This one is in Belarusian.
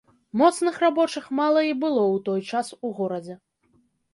Моцных рабочых мала і было ў той час у горадзе.